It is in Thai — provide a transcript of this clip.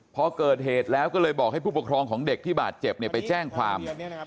พอเกิดเหตุแล้วก็เลยบอกให้ผู้ปกครองของเด็กที่บาดเจ็บไปแจ้งความ